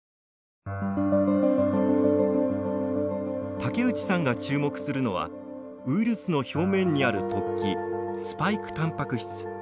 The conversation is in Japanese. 武内さんが注目するのはウイルスの表面にある突起スパイクたんぱく質。